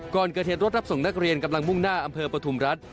ก่อนเกิดเหตุรถรับส่งนักเรียนกำลังมุ่งหน้าอำเภอปฐุมรัฐ